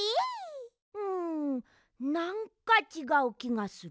んなんかちがうきがする。